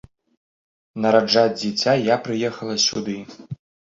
Нараджаць дзіця я прыехала сюды.